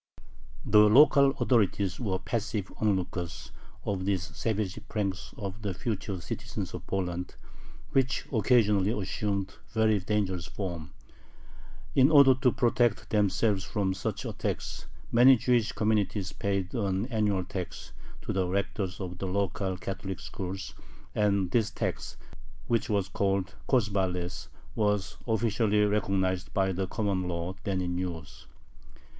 The local authorities were passive onlookers of these savage pranks of the future citizens of Poland, which occasionally assumed very dangerous forms. In order to protect themselves from such attacks many Jewish communities paid an annual tax to the rectors of the local Catholic schools, and this tax, which was called kozubales, was officially recognized by the "common law" then in use.